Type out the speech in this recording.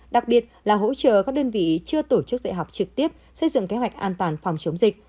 đặc biệt là hỗ trợ các đơn vị chưa tổ chức dạy học trực tiếp xây dựng kế hoạch an toàn phòng chống dịch